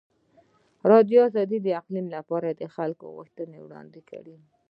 ازادي راډیو د اقلیتونه لپاره د خلکو غوښتنې وړاندې کړي.